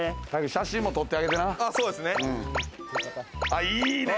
写真も撮ってあげてな。